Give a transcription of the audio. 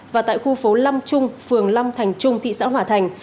và tại khu phố năm trung phường năm thành trung thị xã hòa thành